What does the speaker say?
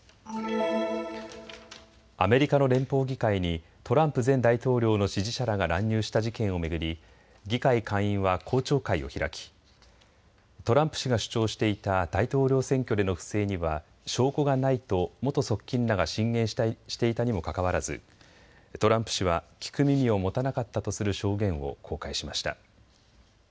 アメリカの連邦議会にトランプ前大統領の支持者らが乱入した事件を巡り議会下院は公聴会を開きトランプ氏が主張していた大統領選挙での不正には証拠がないと元側近らが進言していたにもかかわらずトランプ氏は聞く耳を持たなかったとする証言を公開しました。